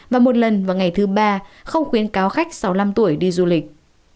và một lần vào ngày thứ ba không khuyến cáo khách sáu mươi năm tuổi đi du lịch